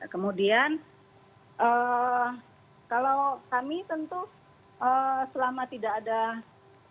kemudian kalau kami tentu selama tidak ada